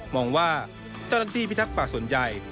มองว่าเจ้าหน้าที่พิทักษ์ป่าส่วนใหญ่